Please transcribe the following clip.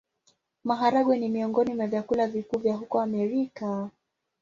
Maharagwe ni miongoni mwa vyakula vikuu vya huko Amerika.